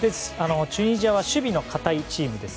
チュニジアは守備の堅いチームです。